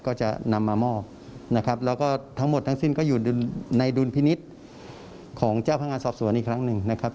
ก็จะนำมามอบนะครับ